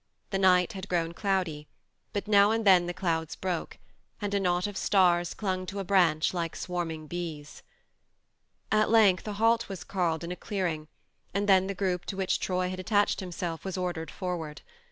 The night had grown cloudy, but now and then the clouds broke, and a knot of stars clung to a branch like swarming bees. At length a halt was called in a clearing, and then the group to which Troy had attached himself was ordered forward.